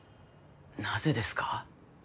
なぜですか？